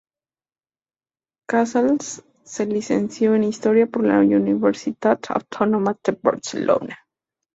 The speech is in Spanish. Casals se licenció en Historia por la Universitat Autònoma de Barcelona.